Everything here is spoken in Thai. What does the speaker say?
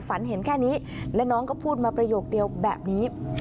ฝันเห็นแค่นี้และน้องก็พูดมาประโยคเดียวแบบนี้